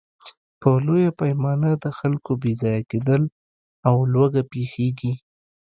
په لویه پیمانه د خلکو بېځایه کېدل او لوږه پېښېږي.